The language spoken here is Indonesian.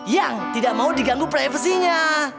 yang tidak mau diganggu privasinya